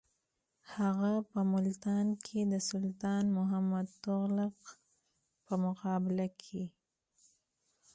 هغه په ملتان کې د سلطان محمد تغلق په مقابل کې.